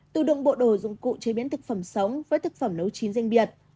tù đụng bộ đồ dụng cụ chế biến thực phẩm sống với thực phẩm nấu chín riêng biệt